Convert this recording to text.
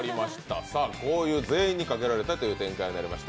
こういう全員にかけられたという展開になりました。